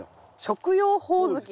食用ホオズキ。